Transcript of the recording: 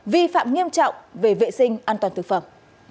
vi phạm nghiêm trọng về vệ sinh an toàn thực phẩm